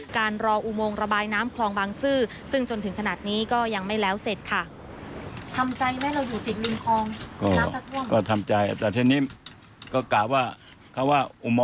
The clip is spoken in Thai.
การรออุโมงระบายน้ำคลองบางซื่อซึ่งจนถึงขนาดนี้ก็ยังไม่แล้วเสร็จค่ะ